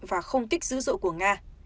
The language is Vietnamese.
và không kích dữ dội của nga